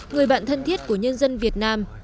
người bạn thân thiết của nhân dân việt nam